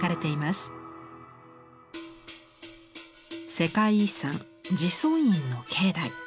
世界遺産慈尊院の境内。